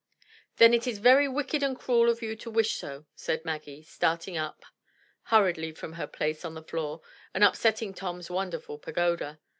"Then it is very wicked and cruel of you to wish so," said Maggie, starting up hurriedly from her place on the floor and up setting Tom's wonderful pagoda.